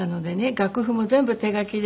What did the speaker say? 楽譜も全部手書きで。